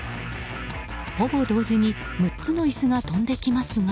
ほぼ同時に６つの椅子が飛んできますが